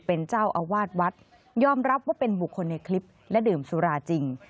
เป็นเจ้าอาวาสวัดยอมรับว่าเป็นบุคคลในคลิปและดื่มสุราจริง